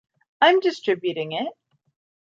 I'm distributing it!